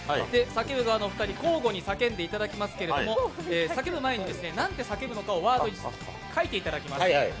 叫ぶのはお二人に交互に叫んでいただきますが、叫ぶ前に、なんて叫ぶのかをワードに書いていただきます。